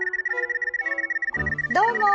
どうも！